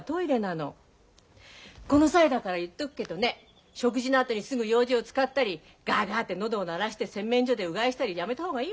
この際だから言っとくけどね食事のあとにすぐようじを使ったりガガって喉を鳴らして洗面所でうがいしたりやめた方がいいわよ。